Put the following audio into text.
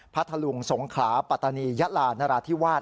ทะลุงสงขลาปัตตานียะลานราธิวาส